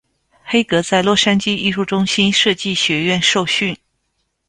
黑格在洛杉矶艺术中心设计学院受训。